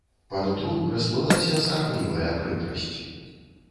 Па нутру расплылася сарамлівая прыкрасць.